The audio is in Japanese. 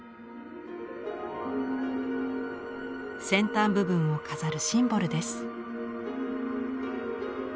先端部分を飾るシンボルです。